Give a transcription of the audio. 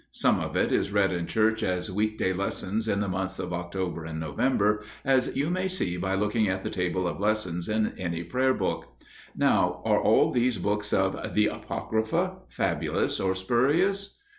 Some of it is read in church as weekday lessons in the months of October and November, as you may see by looking at the Table of Lessons in any Prayer Book. Now, are all these books of "the Apocrypha" fabulous or spurious?